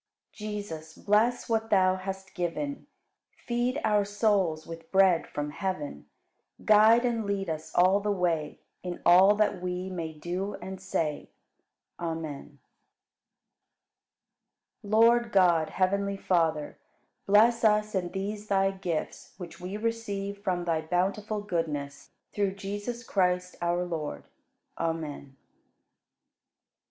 44. Jesus, bless what Thou hast given, Feed our souls with bread from heaven; Guide and lead us all the way In all that we may do and say. Amen. 45. Lord God, heavenly Father, bless us and these Thy gifts which we receive from Thy bountiful goodness, through Jesus Christ, our Lord. Amen. 46.